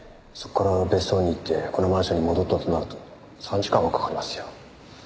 そこから別荘に行ってこのマンションに戻ったとなると３時間はかかりますよ。